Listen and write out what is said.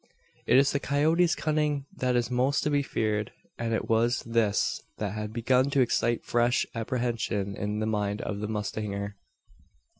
It is the coyotes' cunning that is most to be feared; and it was this that had begun to excite fresh apprehension in the mind of the mustanger.